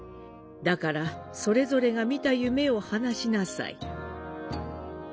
だからそれぞれが見た夢を話しなさい」